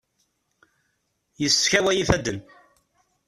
Yeskaway ifaden.